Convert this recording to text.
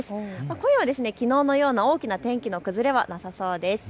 今夜はきのうのような大きな天気の崩れはなさそうです。